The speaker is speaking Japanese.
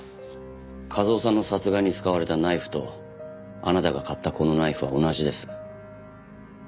一雄さんの殺害に使われたナイフとあなたが買ったこのナイフは同じです。